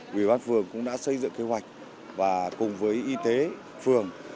quý bán phường cũng đã xây dựng kế hoạch và cùng với y tế phường